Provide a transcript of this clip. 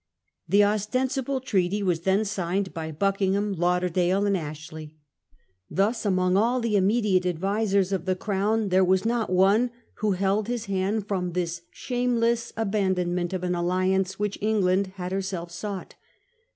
The ostensible treaty was then signed by Buckingham, Lauderdale, and Ashley. Thus, among all the immediate advisers of the Crown, there was not one who held his hand from this shameless abandonment of an alliance which England had herselt sought.